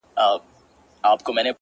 • کاڼی مي د چا په لاس کي وليدی ـ